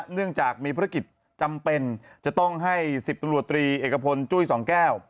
เนื่องจากมีภารกิจจำเป็นจะต้องให้๑๐ตำรวจตรีเอกพลจุ้ยสองแก้ว